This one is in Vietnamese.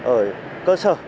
ở cơ sở